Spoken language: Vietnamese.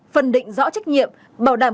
phân định rõ trách nhiệm bảo đảm